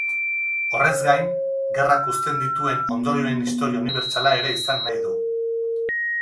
Horrez gain, gerrak uzten dituen ondorioen historia unibertsala ere izan nahi du.